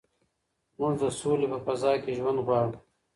موږ د سولې په فضا کي ژوند غواړو.